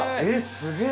すげえ！